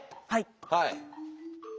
はい。